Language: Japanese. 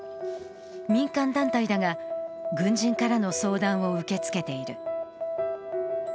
民間団体だが、軍人からの相談を受け付けている。